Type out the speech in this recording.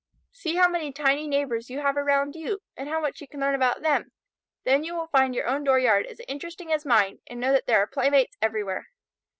See how many tiny neighbors you have around you, and how much you can learn about them. Then you will find your own dooryard as interesting as mine and know that there are playmates everywhere.